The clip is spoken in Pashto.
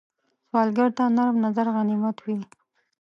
سوالګر ته نرم نظر غنیمت وي